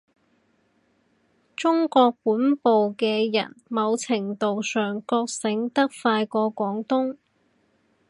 中國本部嘅人某程度上覺醒得快過廣東